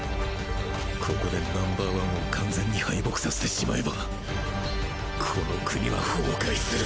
ここで Ｎｏ．１ を完全に敗北させてしまえばこの国は崩壊する！